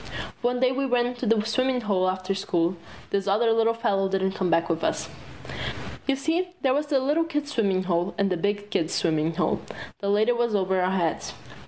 One day when we ran away to the swimming hole after school, this other little fellow didn't come back with us. You see, there was the little kids' swimmin' hole and the big kids' swimmin' hole. The latter was over our heads.